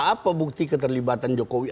apa bukti keterlibatan jokowi